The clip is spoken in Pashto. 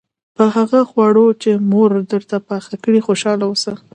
په هغه خواړو چې مور درته پاخه کړي خوشاله اوسه.